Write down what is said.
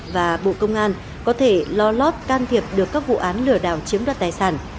và bộ công an có thể lo lót can thiệp được các vụ án lừa đảo chiếm đoạt tài sản